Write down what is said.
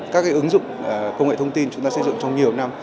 các cái ứng dụng công nghệ thông tin chúng ta sử dụng trong nhiều năm